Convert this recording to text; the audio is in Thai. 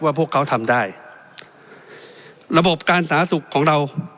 ว่าพวกเขาทำได้ระบบการสถานทะสุขของเรา